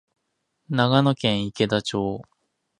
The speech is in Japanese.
長野県池田町